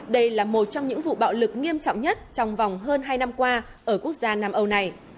đây là một trong những vụ bạo lực nghiêm trọng nhất trong vòng hơn hai năm qua ở quốc gia nam âu này